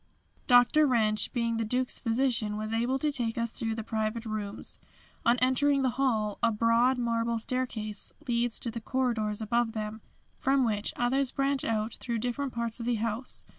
Dr. Wrench, being the Duke's physician, was able to take us through the private rooms. On entering the Hall, a broad marble staircase leads to the corridors above, from which others branch out through different parts of the house.